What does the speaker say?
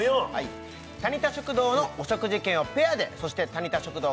タニタ食堂のお食事券をペアでそしてタニタ食堂